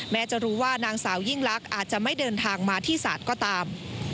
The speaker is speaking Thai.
จะรู้ว่านางสาวยิ่งลักษณ์อาจจะไม่เดินทางมาที่ศาลก็ตาม